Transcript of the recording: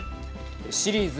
シリーズ